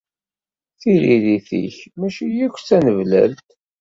Tiririt-ik mačči akk d tanablalt.